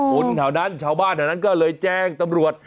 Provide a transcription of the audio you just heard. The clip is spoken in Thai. คนแถวนั้นชาวบ้านแถวนั้นก็เลยแจ้งตำรวจ